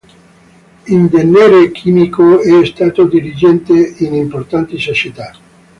Ingegnere chimico è stato dirigente in importanti società.